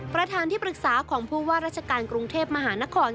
ประธานที่ปรึกษาของผู้ว่าราชการกรุงเทพมหานคร